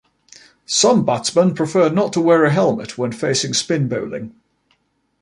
Some batsmen prefer not to wear a helmet when facing spin bowling.